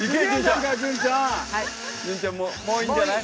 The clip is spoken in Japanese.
潤ちゃんもういいんじゃない？